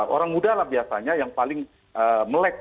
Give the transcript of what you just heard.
orang muda lah biasanya yang paling melek